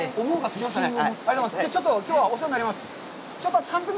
ちょっときょうはお世話になります。